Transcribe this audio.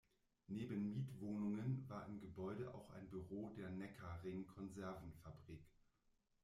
Neben Mietwohnungen war im Gebäude auch ein Büro der Neckarring-Konservenfabrik.